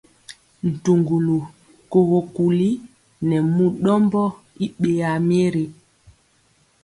Ntuŋgulu, kogo kuli nɛ mu ɗɔmbɔ i ɓeyaa myeri.